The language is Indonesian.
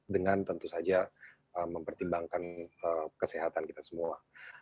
dengan tentu saja mempertimbangkan kesehatan kita semua